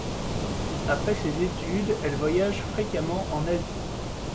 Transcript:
Après ses études, elle voyage fréquemment en Asie.